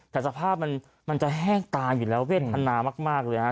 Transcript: แต่สภาพมันจะแห้งตายอยู่แล้วเวทนามากเลยฮะ